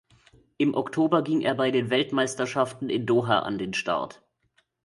Im Oktober ging er bei den Weltmeisterschaften in Doha an den Start.